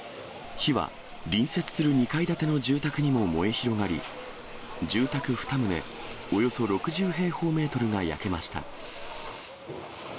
火は隣接する２階建ての住宅にも燃え広がり、住宅２棟、およそ６０平方メートルが焼けました。